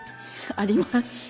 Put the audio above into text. あります。